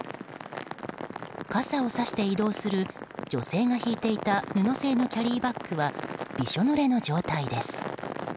傘をさして移動する女性が引いていた布製のキャリーバッグはびしょ濡れの状態です。